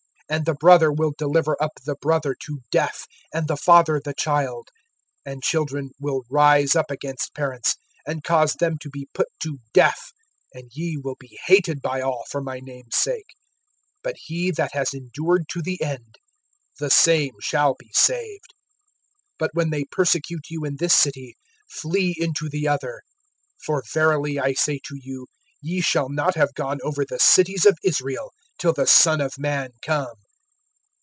(21)And the brother will deliver up the brother to death, and the father the child; and children will rise up against parents, and cause them to be put to death. (22)And ye will be hated by all, for my name's sake; but he that has endured to the end, the same shall be saved. (23)But when they persecute you in this city, flee into the other; for verily I say to you, ye shall not have gone over the cities of Israel, till the Son of man come.